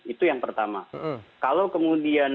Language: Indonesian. itu yang pertama kalau kemudian